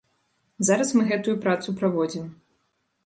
Зараз мы гэтую працу праводзім.